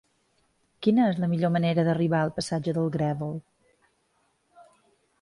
Quina és la millor manera d'arribar al passatge del Grèvol?